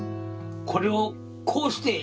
これをこうして！